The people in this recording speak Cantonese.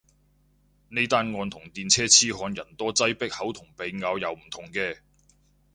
呢單案同電車痴漢人多擠迫口同鼻拗又唔同嘅